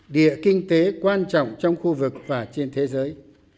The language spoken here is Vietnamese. địa kinh tế quan trọng trong khu vực và trên thế giới